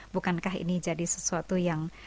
bukankah ini jadi sesuatu yang